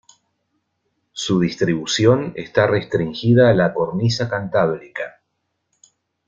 Su distribución está restringida a la Cornisa Cantábrica.